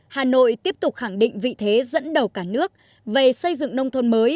hà nội tiếp tục khẳng định vị thế dẫn đầu cả nước về xây dựng nông thôn mới